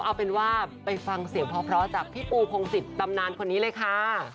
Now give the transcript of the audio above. เอาเป็นว่าไปฟังเสียงเพราะจากพี่ปูพงศิษย์ตำนานคนนี้เลยค่ะ